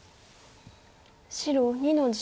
白２の十。